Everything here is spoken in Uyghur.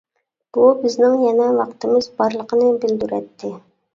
بۇ بىزنىڭ يەنە ۋاقتىمىز بارلىقىنى بىلدۈرەتتى.